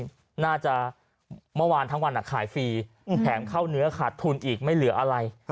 แก้งพันธุ์นี่น่าจะเมื่อวานทั้งวันอ่ะขายฟรีแถมเข้าเนื้อขาดทุนอีกไม่เหลืออะไร